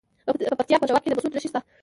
د پکتیا په شواک کې د مسو نښې شته.